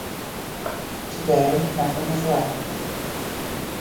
Today nothing is left.